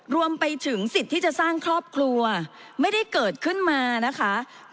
รวมไปถึงสิทธิ์ที่จะสร้างครอบครัวไม่ได้เกิดขึ้นมานะคะ